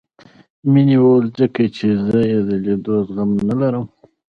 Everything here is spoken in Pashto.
مينې وويل ځکه چې زه يې د ليدو زغم نه لرم.